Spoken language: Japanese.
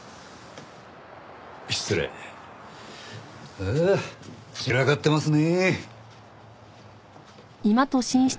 ああ散らかってますね。